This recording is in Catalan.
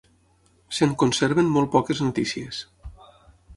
Se'n conserven molt poques notícies.